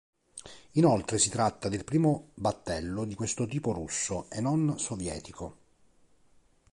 Inoltre, si tratta del primo battello di questo tipo russo e non sovietico.